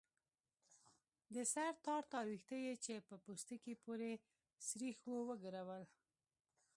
د سر تار تار ويښته يې چې په پوستکي پورې سرېښ وو وګرول.